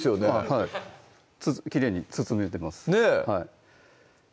はいきれいに包めてますねぇ